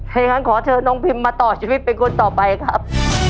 ถ้าอย่างนั้นขอเชิญน้องพิมมาต่อชีวิตเป็นคนต่อไปครับ